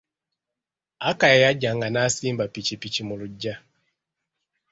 Akaya yajjanga n'asimba pikipiki mu lugya..